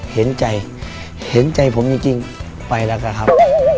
เห็นใจผมจริงไปละกับครับ